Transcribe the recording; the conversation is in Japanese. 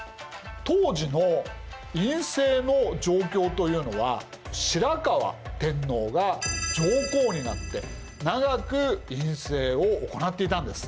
当時の院政の状況というのは白河天皇が上皇になって長く院政を行っていたんです。